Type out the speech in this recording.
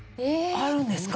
あるんですか。